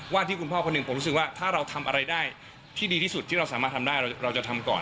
ที่คุณพ่อคนหนึ่งผมรู้สึกว่าถ้าเราทำอะไรได้ที่ดีที่สุดที่เราสามารถทำได้เราจะทำก่อน